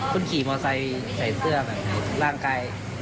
คุณขี่มอร์ไซด์ใส่เสื้อแบบนี้ร่างกาย